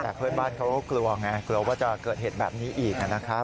แต่เพื่อนบ้านเขาก็กลัวไงกลัวว่าจะเกิดเหตุแบบนี้อีกนะครับ